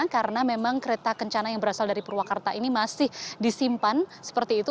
karena memang kereta kencana yang berasal dari purwakarta ini masih disimpan seperti itu